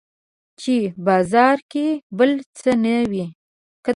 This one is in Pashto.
چې بازار کې بل څه نه وي